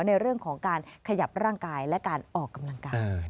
ในเรื่องของการขยับร่างกายและการออกกำลังกาย